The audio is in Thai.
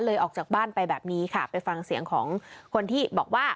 ออกจากบ้านไปแบบนี้ค่ะไปฟังเสียงของคนที่บอกว่า